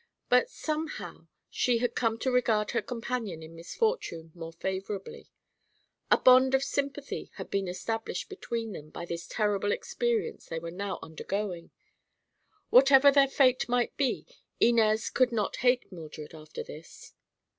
But, somehow, she had come to regard her companion in misfortune more favorably. A bond of sympathy had been established between them by this terrible experience they were now undergoing. Whatever their fate might be, Inez could not hate Mildred after this.